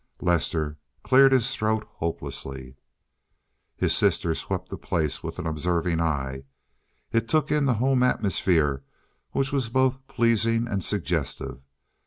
Lester cleared his throat hopelessly. His sister swept the place with an observing eye. It took in the home atmosphere, which was both pleasing and suggestive.